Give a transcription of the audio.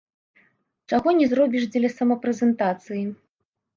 Чаго не зробіш дзеля самапрэзентацыі!